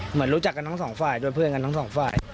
เหมือนรู้จักกันทั้งสองฝ่ายโดยเพื่อนกันทั้งสองฝ่าย